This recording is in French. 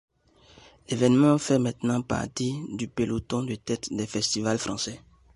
L'événement fait maintenant partie du peloton de tête des festivals français.